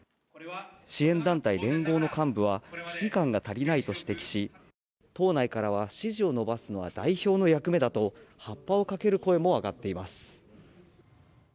支援団体、連合の幹部は危機感が足りないと指摘し党内からは支持を伸ばすのは代表の役目だと発破をかける声も上がっています。